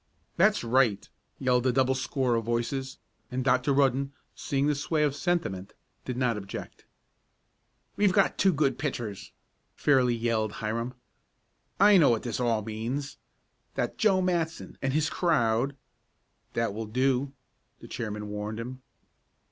"That's right!" yelled a double score of voices, and Dr. Rudden, seeing the sway of sentiment, did not object. "We've got two good pitchers!" fairly yelled Hiram. "I know what this all means that Joe Matson and his crowd " "That will do," the chairman warned him.